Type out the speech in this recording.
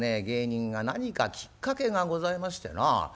芸人が何かきっかけがございましてなあ